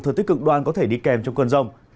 thực tích cực đoan có thể đi kèm trong cơn rông